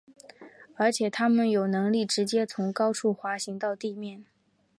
然而它们有能力直接从高处滑行到地面。